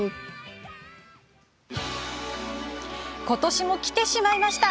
ことしも来てしまいました。